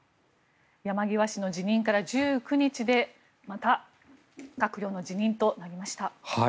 山際氏の辞任から１９日でまた閣僚の辞任となりました。